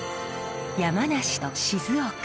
山梨と静岡。